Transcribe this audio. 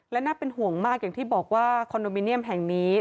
และน่าเป็นห่วงมากอย่างที่บอกว่าคอนโดมิเนียมแห่งนี้